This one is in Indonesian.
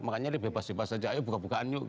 makanya dia bebas bebas saja ayo buka bukaan yuk